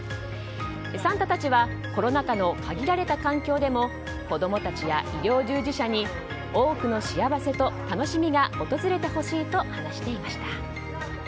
サンタたちはコロナ禍の限られた環境でも子供たちや医療従事者に多くの幸せと楽しみが訪れてほしいと話しました。